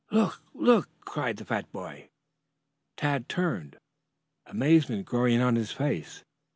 "Look, look!" cried the fat boy. Tad turned, amazement growing on his face.